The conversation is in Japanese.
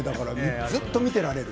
ずっと見ていられる。